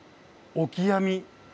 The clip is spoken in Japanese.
オキアミ。